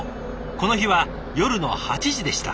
この日は夜の８時でした。